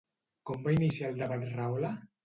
Com va iniciar el debat Rahola?